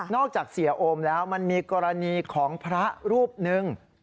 จากเสียโอมแล้วมันมีกรณีของพระรูปหนึ่ง